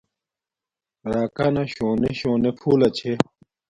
راکانا نا شونے شونے پھولہ چھے